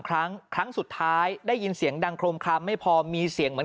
ครั้งครั้งสุดท้ายได้ยินเสียงดังโครมคลามไม่พอมีเสียงเหมือน